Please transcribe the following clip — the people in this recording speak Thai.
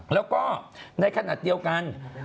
แล้วก็ในขณะเดียวกัน